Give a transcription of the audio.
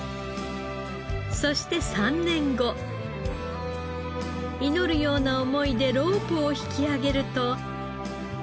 そして３年後祈るような思いでロープを引き上げると。